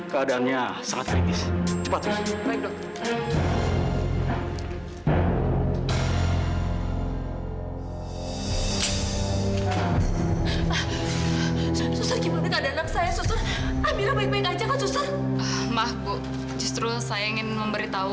nadi nya juga semakin lemah